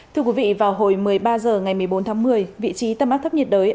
thưa quý vị vào hồi một mươi ba h ngày một mươi bốn tháng một mươi vị trí tâm áp thấp nhiệt đới